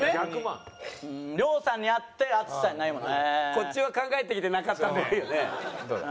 こっちは考えてきてなかったっぽいよね。